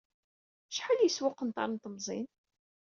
Acḥal yeswa uqenṭar n temẓin?